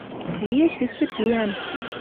Лиэш эче пӱӓм